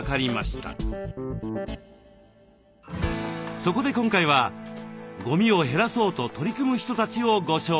そこで今回はゴミを減らそうと取り組む人たちをご紹介。